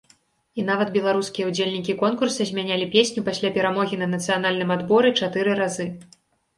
І нават беларускія ўдзельнікі конкурса змянялі песню пасля перамогі на нацыянальным адборы чатыры разы.